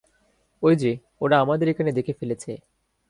ওই যে, ওরা আমাদের এখানে দেখে ফেলেছে।